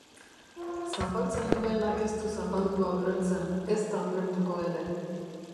Zapaltzen duenak ez du zapaldua ulertzen, ezta ulertuko ere.